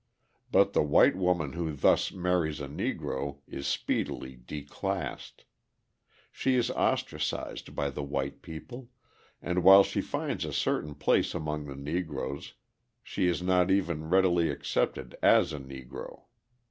But the white woman who thus marries a Negro is speedily declassed: she is ostracised by the white people, and while she finds a certain place among the Negroes, she is not even readily accepted as a Negro.